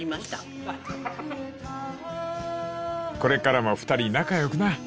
［これからも２人仲良くな。